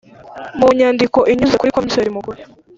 mu nyandiko inyuze kuri Komiseri Mukuru